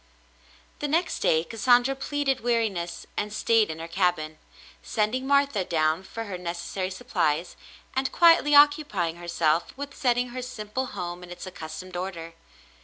The next day Cassandra pleaded weariness and stayed in her cabin, sending Martha down for her necessary supplies, and quietly occupying herself with setting her simple home in its accustomed order.